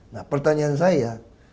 nah pertanyaan saya